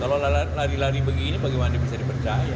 kalau lari lari begini bagaimana bisa dipercaya